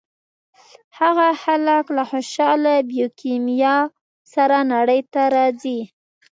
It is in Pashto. هغه خلک له خوشاله بیوکیمیا سره نړۍ ته راځي.